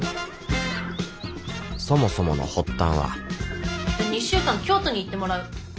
そもそもの発端は２週間京都に行ってもらう。